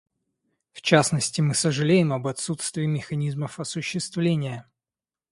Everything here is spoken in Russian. В частности, мы сожалеем об отсутствии механизмов осуществления.